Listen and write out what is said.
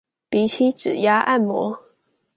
比起指壓按摩